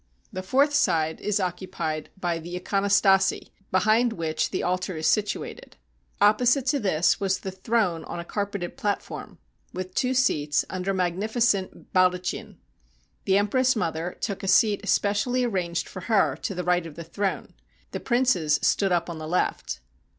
The fourth side is occupied by the ikonostase, behind which the altar is situated. Opposite to this was the throne on a car peted platform, with two seats under a magnificent bal dachin. The empress mother took a seat especially arranged for her to the right of the throne. The princes stood up on the left.